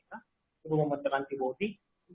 itu membentuk antibody